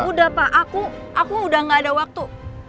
udah pak aku udah gak ada waktu